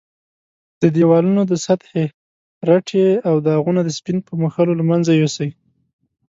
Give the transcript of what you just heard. د دېوالونو د سطحې رټې او داغونه د سپین په مښلو له منځه یوسئ.